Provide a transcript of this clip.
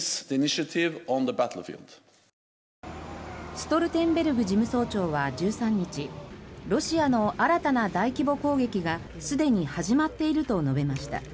ストルテンベルグ事務総長は１３日ロシアの新たな大規模攻撃がすでに始まっていると述べました。